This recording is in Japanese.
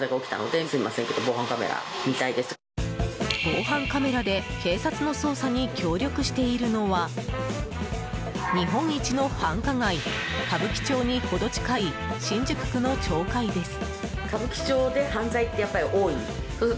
防犯カメラで警察の捜査に協力しているのは日本一の繁華街、歌舞伎町に程近い新宿区の町会です。